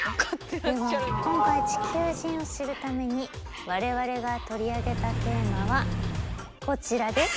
今回地球人を知るために我々が取り上げたテーマはこちらです。